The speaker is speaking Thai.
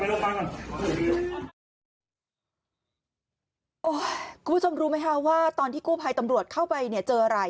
อุ้วกูจะรู้มั้ยครับว่าตอนที่ก่อไปตำรวจเข้าไปเนี่ยเจออะไร